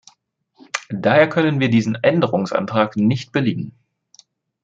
Daher können wir diesen Änderungsantrag nicht billigen.